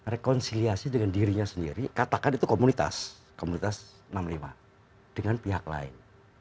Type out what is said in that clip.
rekonsiliasi dengan dirinya sendiri katakan itu komunitas komunitas enam puluh lima dengan pihak lain